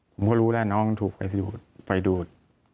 ผมก็รู้แล้วน้องถูกไฟดูด